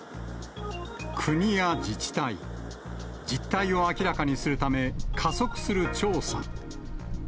国や自治体、実態を明らかにするため、加速する調査。